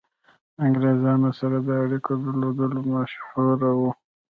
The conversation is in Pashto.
له انګرېزانو سره د اړېکو درلودلو مشهور وو.